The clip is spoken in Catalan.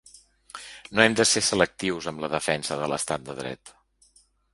No hem de ser selectius amb la defensa de l’estat de dret.